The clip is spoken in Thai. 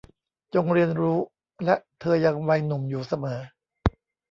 จงเรียนรู้และเธอยังวัยหนุ่มอยู่เสมอ